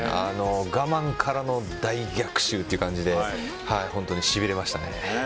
我慢からの大逆襲という感じで本当にしびれました。